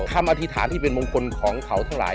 อธิษฐานที่เป็นมงคลของเขาทั้งหลาย